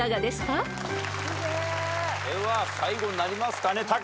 では最後になりますかね。